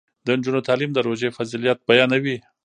د نجونو تعلیم د روژې فضیلت بیانوي.